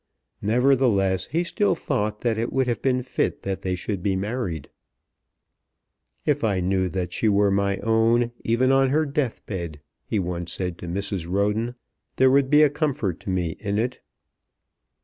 Nevertheless he still thought that it would have been fit that they should be married. "If I knew that she were my own even on her deathbed," he once said to Mrs. Roden, "there would be a comfort to me in it."